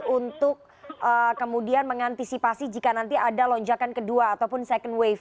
untuk kemudian mengantisipasi jika nanti ada lonjakan kedua ataupun second wave